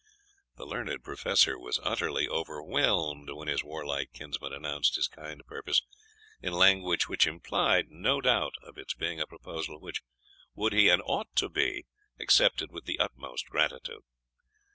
The learned Professor was utterly overwhelmed when his warlike kinsman announced his kind purpose in language which implied no doubt of its being a proposal which, would be, and ought to be, accepted with the utmost gratitude.